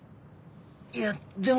いやでも。